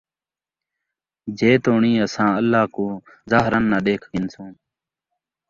جیتوڑیں اَساں اللہ کوں ظاہراً نہ ݙیکھ گِھنسوں،